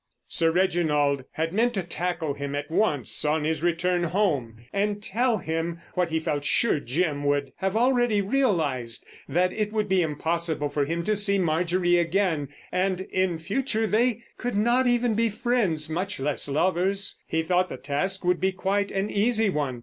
Sir Reginald had meant to tackle him at once on his return home and tell him, what he felt sure Jim would have already realised, that it would be impossible for him to see Marjorie again, and, in future, they could not even be friends, much less lovers. He thought the task would be quite an easy one.